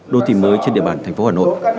đô thị mới trên địa bàn tp hà nội